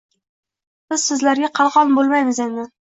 Biz sizlarga qalqon bo’lmaymiz endi